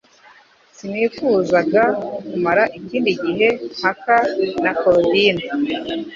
Sinifuzaga kumara ikindi gihe mpaka na Korodina